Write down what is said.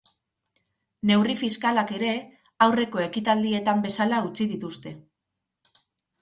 Neurri fiskalak ere, aurreko ekitaldietan bezala utzi dituzte.